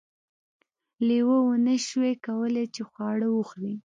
لیوه ونشوای کولی چې خواړه وخوري.